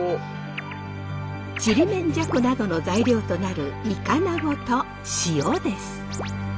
ちりめんじゃこなどの材料となるいかなごと塩です。